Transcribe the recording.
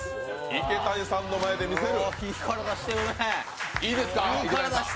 池谷さんの前で見せる。